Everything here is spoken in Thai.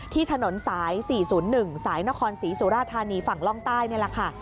ถนนสาย๔๐๑สายนครศรีสุราธานีฝั่งล่องใต้นี่แหละค่ะ